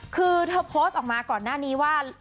คือเธอโพสต์ออกมาก่อนหน้านี้ว่า